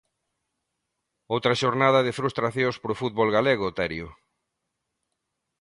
Outra xornada de frustracións para o fútbol galego, Terio.